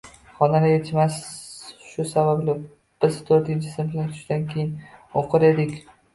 Xonalar yetishmas, shu sababli biz toʻrtinchi sinflar tushdan keyin oʻqir edik.